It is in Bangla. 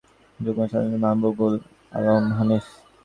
খুলনার কমিটির নেতৃত্বে আছেন দলের যুগ্ম সাধারণ সম্পাদক মাহবুব উল আলম হানিফ।